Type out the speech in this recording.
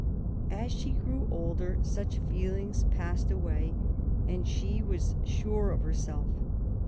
As she grew older such feelings passed away, and she was sure of herself.